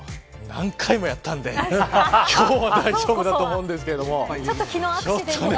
何回もやったので今日は大丈夫だと思うんですけど。